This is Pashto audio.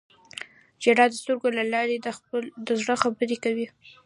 • ژړا د سترګو له لارې د زړه خبرې کوي.